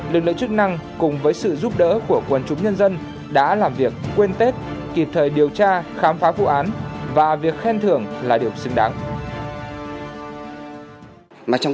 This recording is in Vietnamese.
lực lượng chức năng cùng với sự giúp đỡ của quần chúng nhân dân đã làm việc quên tết kịp thời điều tra khám phá vụ án và việc khen thưởng là điều xứng đáng